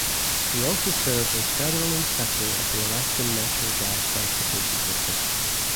He also served as Federal Inspector of the Alaskan Natural Gas Transportation System.